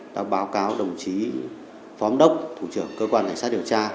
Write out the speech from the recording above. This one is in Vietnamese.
đã báo cáo đồng chí phó đốc thủ trưởng cơ quan cảnh sát điều tra